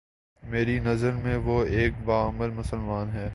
میری نظر میں وہ ایک با عمل مسلمان ہے